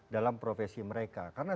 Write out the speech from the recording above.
dalam profesi mereka karena